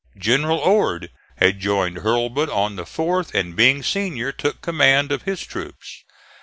General Ord had joined Hurlbut on the 4th and being senior took command of his troops.